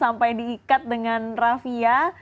sampai diikat dengan rafia